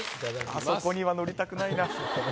あそこにはのりたくないな。